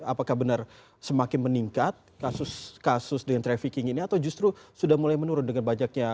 apakah benar semakin meningkat kasus kasus dengan trafficking ini atau justru sudah mulai menurun dengan banyaknya